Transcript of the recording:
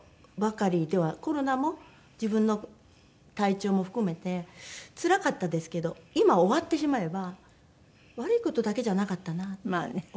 コロナも自分の体調も含めてつらかったですけど今終わってしまえば悪い事だけじゃなかったなって思います。